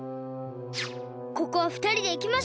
ここはふたりでいきましょう！